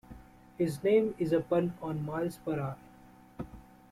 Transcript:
His name is a pun on "miles per hour".